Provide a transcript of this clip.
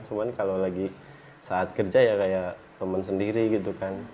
cuma kalau lagi saat kerja ya kayak temen sendiri gitu kan